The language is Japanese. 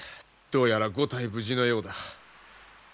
どうやら五体無事のようだ。